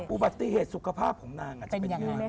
อุบัติเหตุสุขภาพของนางจะเป็นยังไง